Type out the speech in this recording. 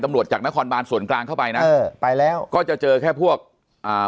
จากนครบานส่วนกลางเข้าไปนะเออไปแล้วก็จะเจอแค่พวกอ่า